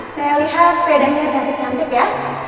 saya lihat sepedanya cantik cantik ya